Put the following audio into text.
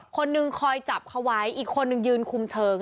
คนหนึ่งคอยจับเขาไว้อีกคนนึงยืนคุมเชิง